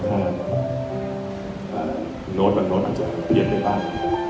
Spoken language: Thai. ถ้าโน้ตอาจจะเปลี่ยนไปบ้าง